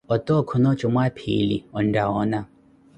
Ote okhuno jumwaa-phiili ontta woona!